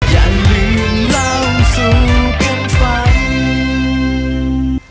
อย่าลืมเล่าสู่ความฝัน